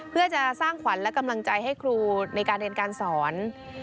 เพื่อจะสร้างขวัญและกำลังใจให้ครูในการเรียนการสอน